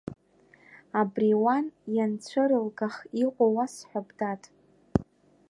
Абри, уан ианцәырылгах, иҟоу уасҳәап, дад.